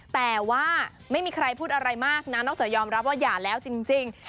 แต่ว่าไม่มีใครพูดอะไรมากนะนอกจากยอมรับว่าหย่าแล้วจริง